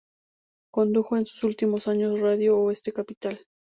Condujo en sus últimos años Radio Oeste Capital.